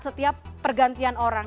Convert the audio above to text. setiap pergantian orang